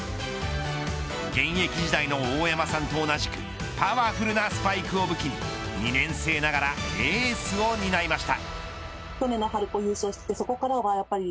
現役時代の大山さんと同じくパワフルなスパイクを武器に２年生ながらエースを担いました。